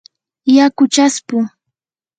yaku chaspu.